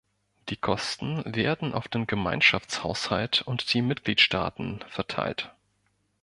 Die Kosten werden auf den Gemeinschaftshaushalt und die Mitgliedstaaten verteilt.